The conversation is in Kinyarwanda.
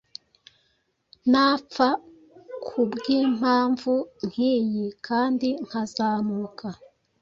napfa kubwimpamvu nkiyi, Kandi nkazamuka,